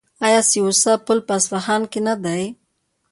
آیا سي او سه پل په اصفهان کې نه دی؟